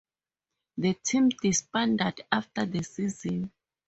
The team disbanded after the season.